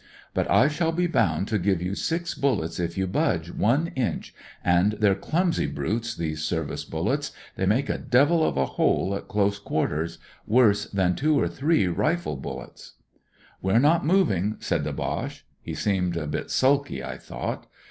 * But I shall be bound to give you six bullets if you budge one inch, and they're clumsy brutes, these Service bullets, they make a devil of a hole at close quarters, worse than two or three rifle bullets.* "' We're not moving,' said the Boche. He seemed a bit sulky, I thought.